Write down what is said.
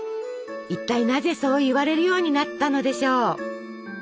いったいなぜそう言われるようになったのでしょう？